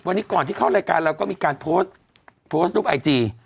วันนี้ก่อนที่เข้ารายการเราก็มีการโพสต์โพสต์รูปไอจี